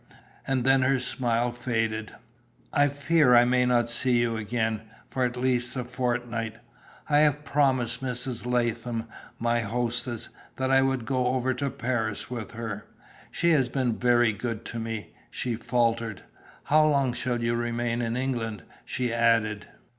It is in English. And then her smile faded. "I fear I may not see you again for at least a fortnight. I have promised Mrs. Latham, my hostess, that I would go over to Paris with her. She has been very good to me," she faltered. "How long shall you remain in England?" she added.